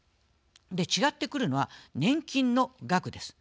違ってくるのは、年金の額です。